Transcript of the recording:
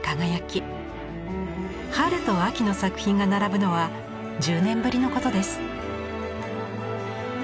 春と秋の作品が並ぶのは１０年ぶりのことです。